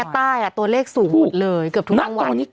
ตัวเลขสูงกันมาก